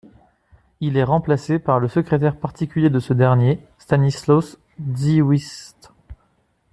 Il est remplacé par le secrétaire particulier de ce dernier, Stanisław Dziwisz.